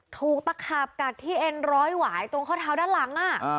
ถูกตะขาบกัดที่เอ็นร้อยหวายตรงข้อเท้าด้านหลัง